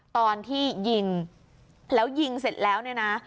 ตอนที่ยิงแล้วยิงเสร็จแล้ว